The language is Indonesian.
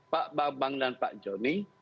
pak bambang dan pak joni